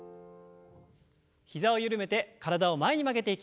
膝をゆるめて体を前に曲げていきます。